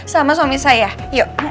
sama suami saya yuk